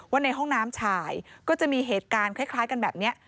ในห้องน้ำชายก็จะมีเหตุการณ์คล้ายกันแบบนี้